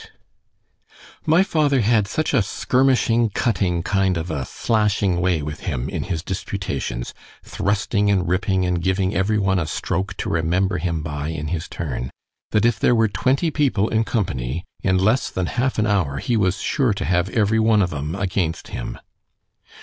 LVIII MY father had such a skirmishing, cutting kind of a slashing way with him in his disputations, thrusting and ripping, and giving every one a re were twenty people in company—in less than half an hour he was sure to have every one of 'em against him.